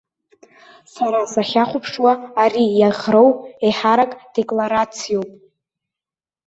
Сара сахьахәаԥшуа ари иаӷроу еиҳарак декларациоуп.